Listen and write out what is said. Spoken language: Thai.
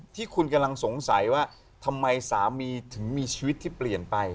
ที่คุณกำลังสงสัยว่าทำไมสามีถึงมีชีวิตที่เปลี่ยนไป